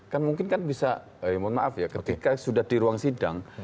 kan mungkin kan bisa mohon maaf ya ketika sudah di ruang sidang